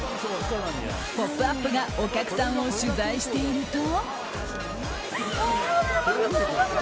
「ポップＵＰ！」がお客さんを取材していると。